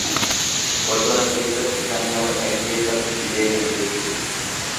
Bosona keesatti kan nama dhaggeeffatu hin beekan jechuudha.